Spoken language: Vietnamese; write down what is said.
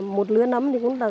một lứa nấm thì cũng khoảng tầm